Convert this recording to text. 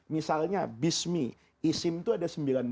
misalnya bismi isim itu ada sembilan belas